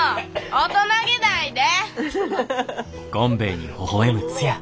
大人げないで！